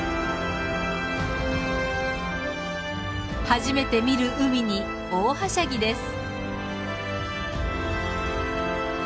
初めて見る海に大はしゃぎです。